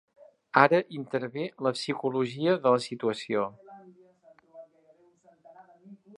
Ara intervé la psicologia de la situació.